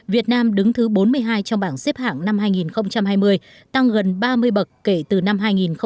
việt nam đứng thứ bốn mươi hai trong bảng xếp hạng năm hai nghìn hai mươi tăng gần ba mươi bậc kể từ năm hai nghìn một mươi